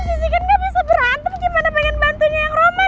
sisi kan gak bisa berantem gimana pengen bantunya yang roman